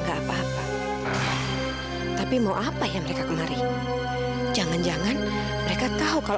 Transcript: ada urusan apa mencari papanya rizky